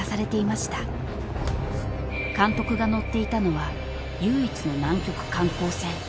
［監督が乗っていたのは唯一の南極観光船］